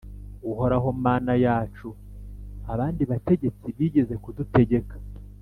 Uhoraho, Mana yacu, abandi bategetsi bigeze kudutegeka,